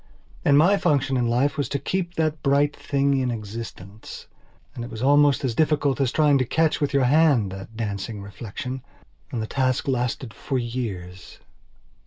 And my function in life was to keep that bright thing in existence. And it was almost as difficult as trying to catch with your hand that dancing reflection. And the task lasted for years.